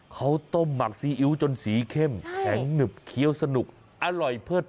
เขาต้มหมักซีอิ๊วจนสีเข้มแข็งหนึบเคี้ยวสนุกอร่อยเพิด